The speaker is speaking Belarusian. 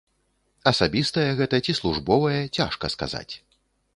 Асабістае гэта ці службовае, цяжка сказаць.